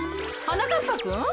はなかっぱくん。